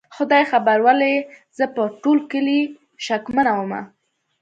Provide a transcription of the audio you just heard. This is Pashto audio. خدای خبر ولې زه په ټول کلي شکمنه ومه؟